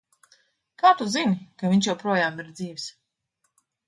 Kā tu zini, ka viņš joprojām ir dzīvs?